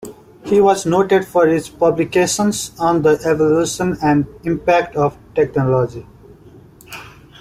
He was noted for his publications on the evolution and impact of technology.